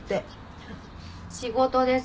仕事です。